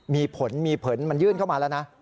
มีผลมีผลมันยื่นเข้ามาแล้วนะ